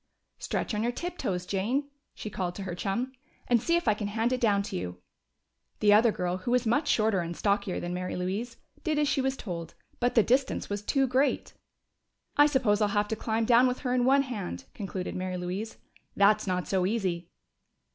"Stretch on your tiptoes, Jane," she called to her chum, "and see if I can hand it down to you." The other girl, who was much shorter and stockier than Mary Louise, did as she was told, but the distance was too great. "I suppose I'll have to climb down with her in one hand," concluded Mary Louise. "That's not so easy."